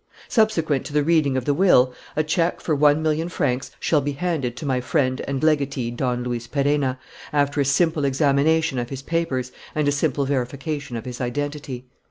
Subsequent to the reading of the will, a cheque for one million francs shall be handed to my friend and legatee Don Luis Perenna, after a simple examination of his papers and a simple verification of his identity.